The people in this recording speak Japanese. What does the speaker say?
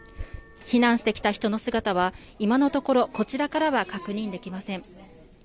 避難してきた人の姿は今のところこちらからは確認できません。